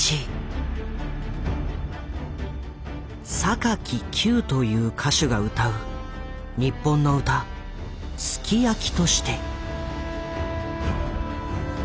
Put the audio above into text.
「坂木九」という歌手が歌う日本の歌「ＳＵＫＩＹＡＫＩ」として。